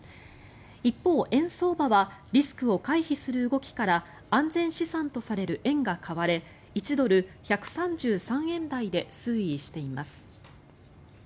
一方、円相場はリスクを回避する動きから安全資産とされる円が買われ１ドル＝１３３円台で推移しています。